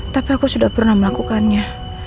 tapi aku sudah pernah melakukannya